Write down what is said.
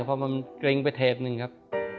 เพราะมันกริ้งไปเทปหนึ่งครับ